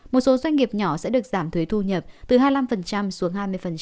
một số doanh nghiệp nhỏ sẽ được giảm thuế thu nhập từ hai mươi năm xuống hai mươi